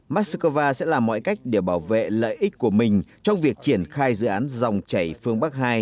moscow sẽ làm mọi cách để bảo vệ lợi ích của mình trong việc triển khai dự án dòng chảy phương bắc hai